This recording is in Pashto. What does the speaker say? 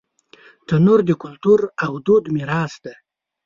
تنور د کلتور او دود میراث دی